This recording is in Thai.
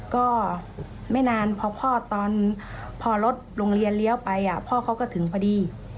ก็ไม่นานพอพ่อตอนพอรถโรงเรียนเลี้ยวไปพ่อเขาก็ถึงพอดี